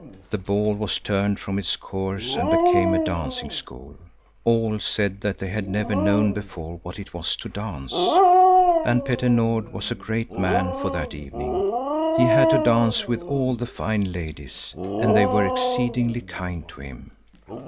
The ball was turned from its course and became a dancing school. All said that they had never known before what it was to dance. And Petter Nord was a great man for that evening. He had to dance with all the fine ladies, and they were exceedingly kind to him.